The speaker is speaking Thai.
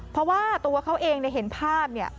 เพราะว่าตัวเขาเองในเห็นภาพ